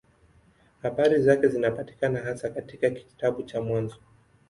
Habari zake zinapatikana hasa katika kitabu cha Mwanzo.